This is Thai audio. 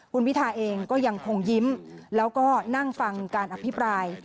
คุณพิทาเองก็ยังคงยิ้มแล้วก็นั่งฟังการอภิปราย